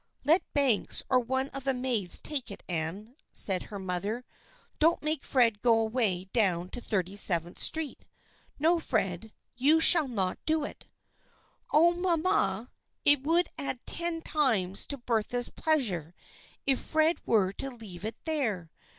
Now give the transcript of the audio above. " Let Banks or one of the maids take it, Anne," said her mother. " Don't make Fred go away down to Thirty seventh Street. No, Fred, you shall not do it." " Oh, mamma, it would add ten times to Bertha's pleasure if Fred were to leave it there.